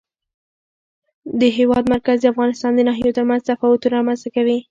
د هېواد مرکز د افغانستان د ناحیو ترمنځ تفاوتونه رامنځته کوي.